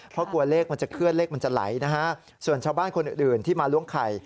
เพราะกลัวเลขมันจะเคลื่อนเลขมันจะไหลนะฮะส่วนชาวบ้านคนอื่นที่มาล้วงไข่